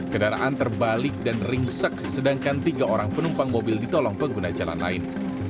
kendaraan terbalik dan ringsek sedangkan tiga orang penumpang mobil ditolong pengguna jalan lain